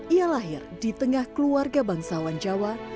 ia lahir di tengah keluarga bangsawan jawa